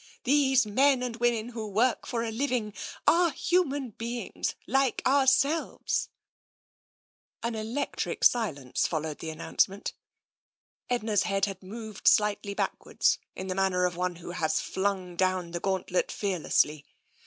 These men and women who work for a living are human beings like ourselves !" An electric silence followed the announcement. Edna's head was moved slightly backwards, in the manner of one who has flung down the gauntlet fear lessly.